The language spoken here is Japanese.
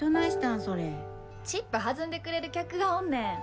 チップはずんでくれる客がおんねん。